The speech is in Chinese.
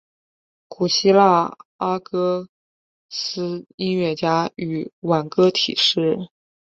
古希腊阿哥斯音乐家与挽歌体诗人。